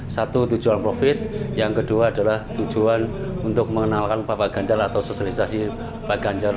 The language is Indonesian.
satu tujuan profit yang kedua adalah tujuan untuk mengenalkan bapak ganjar atau sosialisasi pak ganjar